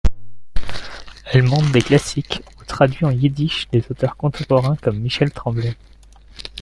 Elle monte des classiques ou traduit en yiddish des auteurs contemporains comme Michel Tremblay.